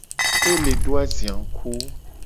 E le do azia ngku.